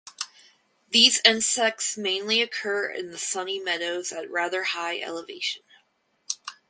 These insects mainly occur in the sunny meadows at rather high elevation.